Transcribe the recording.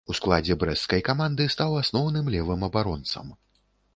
У складзе брэсцкай каманды стаў асноўным левым абаронцам.